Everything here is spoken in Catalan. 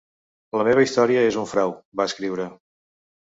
"La meva història és un frau", va escriure.